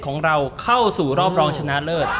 ของเราเข้าสู่รอบรองชนะเลิศ